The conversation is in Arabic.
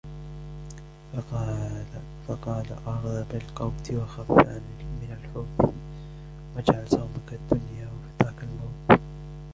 فَقَالَ ارْضَ بِالْقَوْتِ وَخَفْ مِنْ الْفَوْتِ ، وَاجْعَلْ صَوْمَك الدُّنْيَا وَفِطْرَك الْمَوْتَ